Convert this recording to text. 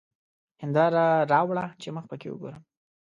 هېنداره راوړه چي مخ پکښې وګورم!